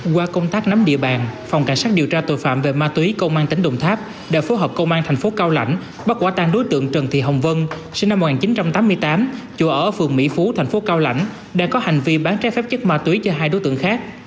qua công tác nắm địa bàn phòng cảnh sát điều tra tội phạm về ma túy công an tỉnh đồng tháp đã phối hợp công an thành phố cao lãnh bắt quả tang đối tượng trần thị hồng vân sinh năm một nghìn chín trăm tám mươi tám chùa ở phường mỹ phú thành phố cao lãnh đang có hành vi bán trái phép chất ma túy cho hai đối tượng khác